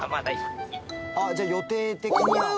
じゃあ予定的には。